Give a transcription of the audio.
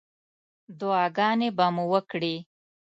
دعاګانې به مو وکړې.